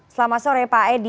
selamat sore pak edi